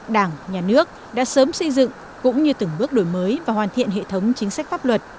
đảng nhà nước đã sớm xây dựng cũng như từng bước đổi mới và hoàn thiện hệ thống chính sách pháp luật